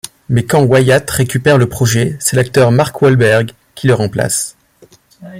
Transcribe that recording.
Mais quand Wyatt récupère le projet, c'est l'acteur Mark Wahlberg qui le remplace.